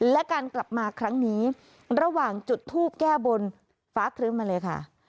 และการกลับมาครั้งนี้ระหว่างจุดทูปแก้บนฟ้าครึ้มมาเลยค่ะ